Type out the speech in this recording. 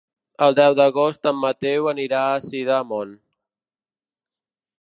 El deu d'agost en Mateu anirà a Sidamon.